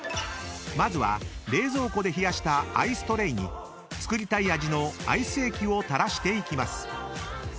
［まずは冷蔵庫で冷やしたアイストレイに作りたい味のアイス液を垂らしていきます］